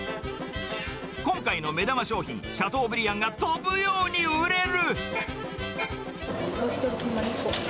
今回の目玉商品、シャトーブリアンが飛ぶように売れる。